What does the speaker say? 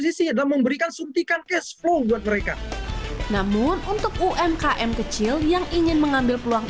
sisi adalah memberikan suntikan cash flow buat mereka namun untuk umkm kecil yang ingin mengambil peluang